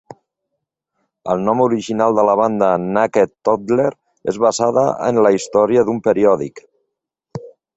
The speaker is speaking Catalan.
El nom original de la banda, "Naked Toddler", es basava en la història d'un periòdic.